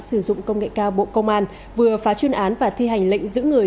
sử dụng công nghệ cao bộ công an vừa phá chuyên án và thi hành lệnh giữ người